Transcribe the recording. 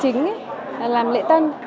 chính là làm lễ tân